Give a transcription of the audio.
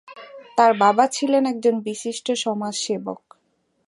তার বাবা ছিলেন একজন বিশিষ্ট সমাজ সেবক।